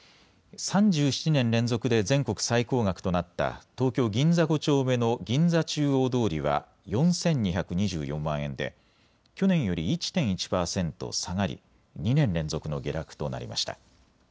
３７年連続で全国最高額となった東京銀座５丁目の銀座中央通りは４２２４万円で去年より１．１％下がり２年連続の下落となりました。